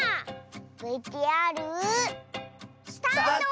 ＶＴＲ。スタート！